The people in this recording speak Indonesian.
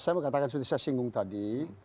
saya mau katakan seperti saya singgung tadi